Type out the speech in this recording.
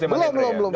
belum belum belum